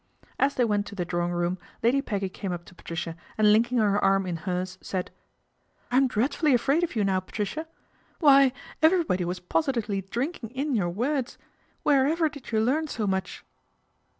As they went to the drawing room, Lady Peggy <ime up to Patricia and Linking her arm in hers, aid : 'I'm dreadfully afraid of you now, Patricia. 'Why everybody was positively drinking in pur words. Wherever did you learn so much